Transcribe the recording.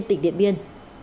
tỉnh điện biên